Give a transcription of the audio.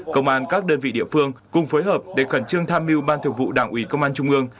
công an các đơn vị địa phương cùng phối hợp để khẩn trương tham mưu ban thượng vụ đảng ủy công an trung ương